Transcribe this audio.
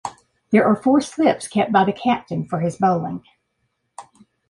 There are four slips kept by the captain for his bowling.